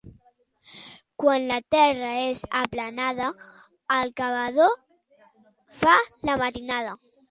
Quan la terra és aplanada, el cavador fa la matinada.